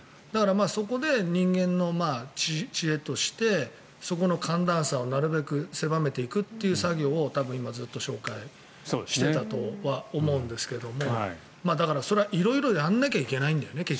そこで人間の知恵としてそこの寒暖差をなるべく狭めていくという作業を今、ずっと紹介していたとは思うんですがだから、それは色々やらなきゃいけないんだよね。